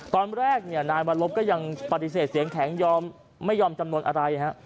ตอนแรกเนี่ยนายวรบก็ยังปฏิเสธเสียงแข็งยอมไม่ยอมจำนวนอะไรฮะ